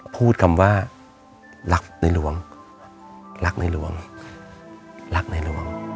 พูดคำว่ารักในหลวงรักในหลวงรักในหลวง